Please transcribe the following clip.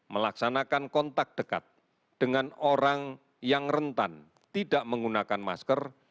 melaksanakan kontak dekat dengan orang yang rentan tidak menggunakan masker